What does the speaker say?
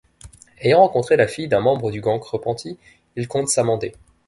Ayant rencontré la fille d'un membre du gang repenti, il compte s'amender.